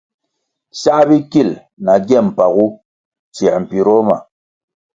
Sā bikil na gye mpagu tsiē mpiroh ma.